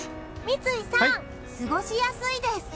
三井さん、過ごしやすいです。